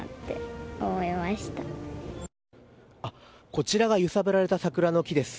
こちらが揺さぶられた桜の木です。